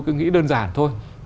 cứ nghĩ đơn giản thôi